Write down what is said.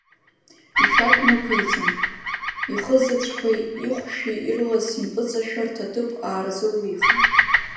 Ишәақь нықәиҵан, ихызаҵәқәеи ихәшәи ирлас импыҵашәартә аҭыԥ аарзылихит.